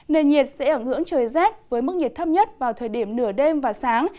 nền nhiệt sẽ ở ngưỡng trời rét với mức nhiệt thấp nhất vào thời điểm nửa đêm và sáng